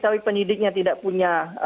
tapi penyidiknya tidak punya